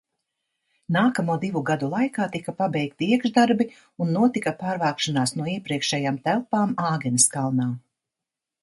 Nākamo divu gadu laikā tika pabeigti iekšdarbi un notika pārvākšanās no iepriekšējām telpām Āgenskalnā.